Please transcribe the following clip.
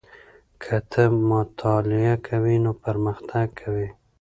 که ته مطالعه کوې نو پرمختګ کوې.